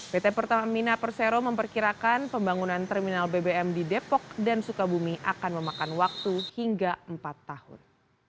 pt pertamina persero memperkirakan pembangunan terminal bbm di depok dan sukabumi akan memakan waktu hingga empat tahun